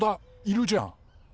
いるじゃん！